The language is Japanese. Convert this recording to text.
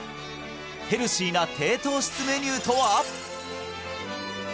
ヘルシーな低糖質メニューとは！？